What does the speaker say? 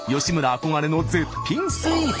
憧れの絶品スイーツ。